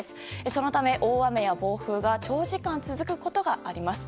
そのため、大雨や暴風が長時間続くことがあります。